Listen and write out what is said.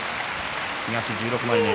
東１６枚目。